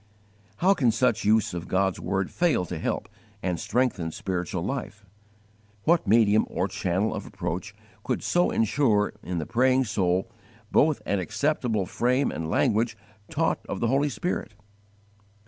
How can such use of God's word fail to help and strengthen spiritual life? What medium or channel of approach could so insure in the praying soul both an acceptable frame and language taught of the Holy Spirit?